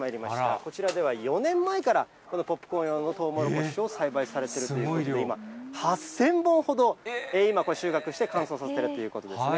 こちらでは４年前からこのポップコーン用のトウモロコシを栽培されているということで、今、８０００本ほど、今収穫して、乾燥されているということですね。